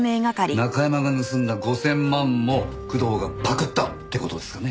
中山が盗んだ５０００万も工藤がパクったって事ですかね？